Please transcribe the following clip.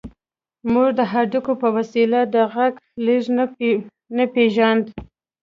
موږ د هډوکي په وسیله د غږ لېږد نه پېژانده